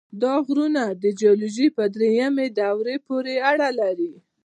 دا غرونه د جیولوژۍ په دریمې دورې پورې اړه لري.